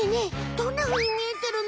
どんなふうに見えてるの？